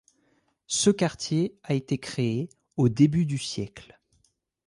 Ce quartier a été créé au début du siècle.